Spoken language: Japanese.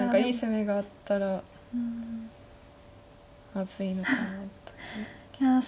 いい攻めがあったらまずいのかなという。